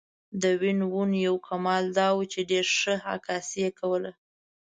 د وین وون یو کمال دا و چې ډېره ښه عکاسي یې کوله.